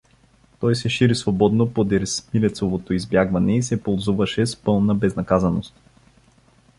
Той се шири свободно подир Смилецовото избягване и се ползуваше с пълна безнаказаност.